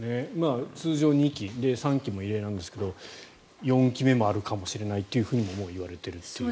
通常、２期で３期も異例なんですが４期目もあるかもしれないとももう言われているという。